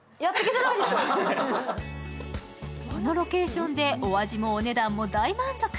このロケーションでお味もお値段も大満足。